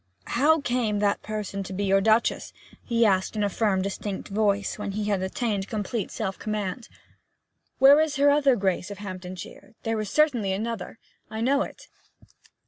'How came that person to be your Duchess?' he asked in a firm, distinct voice, when he had attained complete self command. 'Where is her other Grace of Hamptonshire? There certainly was another. I know it.'